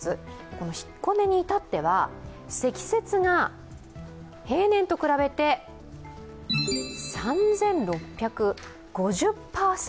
彦根に至っては積雪が平年と比べて３６５０％。